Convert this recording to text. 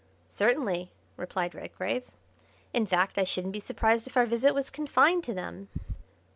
"Certainly," replied Redgrave; "in fact, I shouldn't be surprised if our visit was confined to them."